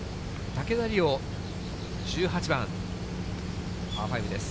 竹田麗央、１８番パー５です。